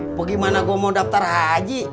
aku gimana gue mau daftar haji